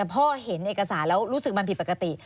พ่อเห็นเอกสารแล้วรู้สึกมันผิดปกติ